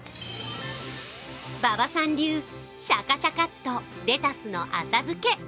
馬場さん流、シャカシャカッとレタスの浅漬け。